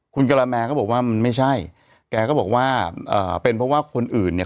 คุณกะละแมก็บอกว่ามันไม่ใช่แกก็บอกว่าเอ่อเป็นเพราะว่าคนอื่นเนี่ย